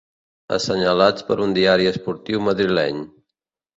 Assenyalats per un diari esportiu madrileny.